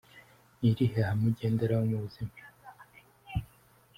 Ni irihe hame ugenderaho mu buzima?.